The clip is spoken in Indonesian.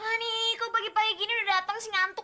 ani kok pagi pagi gini udah dateng sih ngantuk